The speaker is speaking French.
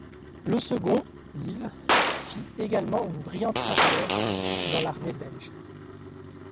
Le second, Yves, fit également une brillante carrière dans l'armée belge.